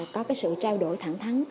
có cái sự trao đổi thẳng thắng